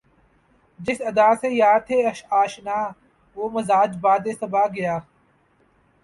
جس ادا سے یار تھے آشنا وہ مزاج باد صبا گیا